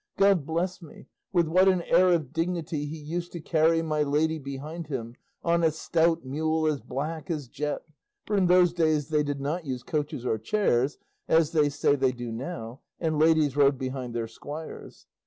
God bless me, with what an air of dignity he used to carry my lady behind him on a stout mule as black as jet! for in those days they did not use coaches or chairs, as they say they do now, and ladies rode behind their squires.